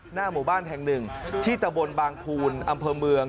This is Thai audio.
หน้าหมู่บ้านแห่งหนึ่งที่ตะบนบางภูลอำเภอเมือง